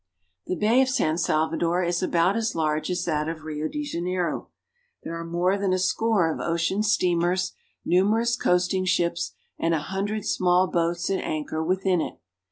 The Bay of San Salvador is about as large as that of Rio de Janeiro. There are more than a score of ocean steamers, numerous coasting ships, and a hundred small boats at anchor within it.